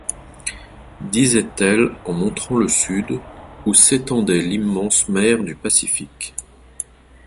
disait-elle, en montrant le sud, où s’étendait l’immense mer du Pacifique.